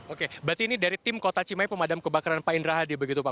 oke berarti ini dari tim kota cimahi pemadam kebakaran pak indra hadi begitu pak